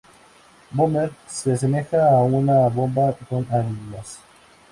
Boomer se asemeja a una bomba con alas.